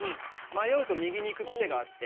迷うと右に行く癖があって。